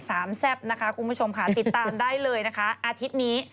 แซ่บนะคะคุณผู้ชมค่ะติดตามได้เลยนะคะอาทิตย์นี้